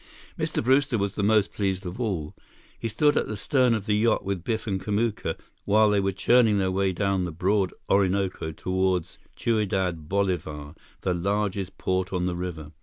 Mr. Brewster was the most pleased of all. He stood at the stem of the yacht with Biff and Kamuka, while they were churning their way down the broad Orinoco toward Ciudad Bolivar, the largest port on the river.